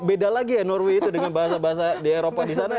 beda lagi ya norway itu dengan bahasa bahasa di eropa di sana